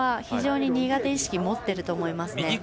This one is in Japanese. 非常に苦手意識持っていると思いますね。